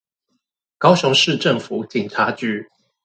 高雄市政府警察局